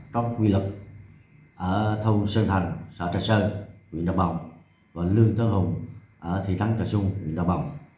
có quy lực ở thông sơn thành xã trà sơn huyện trà bồng và lương thớ hùng ở thị thắng trà sung huyện trà bồng